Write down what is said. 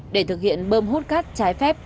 để thực hiện bơm hút cát trái phép